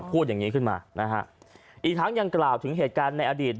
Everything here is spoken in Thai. พูดอย่างงี้ขึ้นมานะฮะอีกทั้งยังกล่าวถึงเหตุการณ์ในอดีต